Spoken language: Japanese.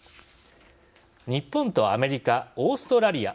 日本とアメリカ、オーストラリア